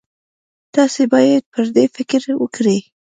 تاسې باید پر دې فکر وکړئ.